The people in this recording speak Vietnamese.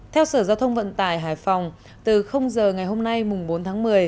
theo sở giao thông vận tải hải phòng từ giờ ngày hôm nay mùng bốn tháng một mươi